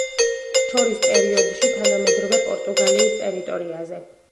შორის პერიოდში თანამედროვე პორტუგალიის ტერიტორიაზე.